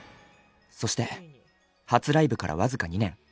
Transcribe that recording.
そして初ライブから僅か２年。